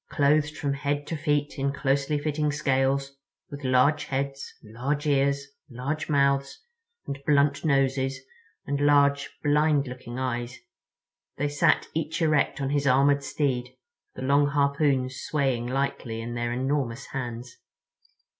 Clothed from head to feet in closely fitting scales, with large heads, large ears, large mouths and blunt noses and large, blind looking eyes, they sat each erect on his armored steed, the long harpoons swaying lightly in their enormous hands.